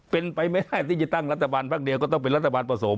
เป็นไปไม่ได้ที่จะตั้งรัฐบาลพักเดียวก็ต้องเป็นรัฐบาลผสม